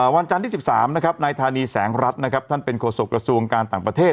วันจันทร์ที่๑๓นะครับนายธานีแสงรัฐนะครับท่านเป็นโฆษกระทรวงการต่างประเทศ